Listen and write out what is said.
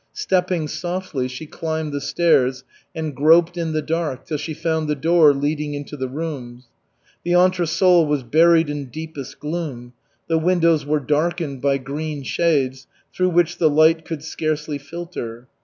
Stepping softly she climbed the stairs and groped in the dark till she found the door leading into the rooms. The entresol was buried in deepest gloom. The windows were darkened by green shades, through which the light could scarcely filter.